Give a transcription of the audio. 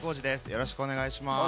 よろしくお願いします。